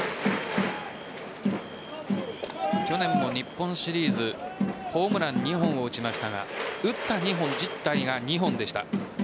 去年の日本シリーズホームラン２本を打ちましたが打ったヒット自体が２本でした。